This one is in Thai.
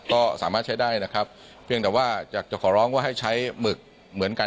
ก็สามารถใช้ได้นะครับเพียงแต่ว่าอยากจะขอร้องว่าให้ใช้หมึกเหมือนกัน